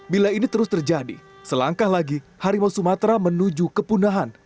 bila ini terus terjadi selangkah lagi harimau sumatera menuju kepunahan